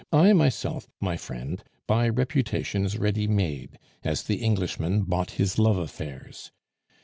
I myself, my friend, buy reputations ready made, as the Englishman bought his love affairs.